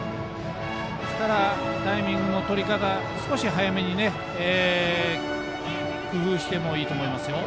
タイミングのとり方少し早めに工夫してもいいと思います。